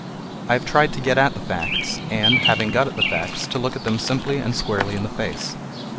I have tried to get at the facts, and, having got at the facts, to look them simply and squarely in the face.